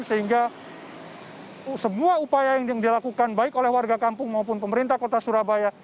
sehingga semua upaya yang dilakukan baik oleh warga kampung maupun pemerintah kota surabaya